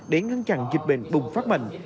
để ngăn chặn dịch bệnh bùng phát mạnh